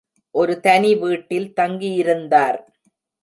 ஒருதனி வீட்டில் தங்கியிருந்தார்.